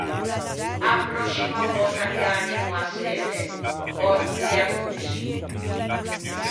A pròscima vòtta che anemmo à Çelle pòrtite a proteçion.